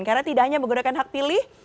karena tidak hanya menggunakan hak pilih